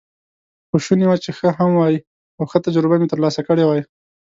خو شوني وه چې ښه هم وای، او ښه تجربه مې ترلاسه کړې وای.